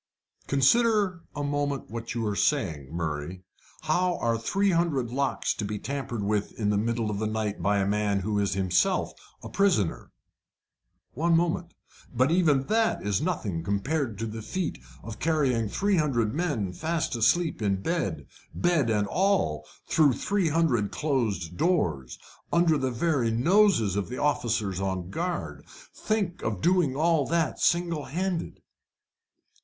"Consider a moment what you are saying, Murray. How are three hundred locks to be tampered with in the middle of the night by a man who is himself a prisoner? One moment But even that is nothing compared to the feat of carrying three hundred men fast asleep in bed bed and all through three hundred closed doors, under the very noses of the officers on guard think of doing all that singlehanded!"